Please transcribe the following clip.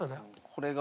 これが？